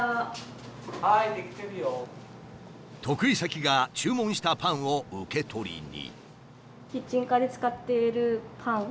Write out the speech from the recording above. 得意先が注文したパンを受け取りに。